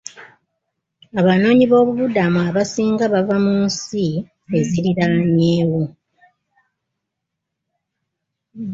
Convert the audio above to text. Abanoonyiboobubudamu abasinga bava mu nsi ezirinaanyeewo.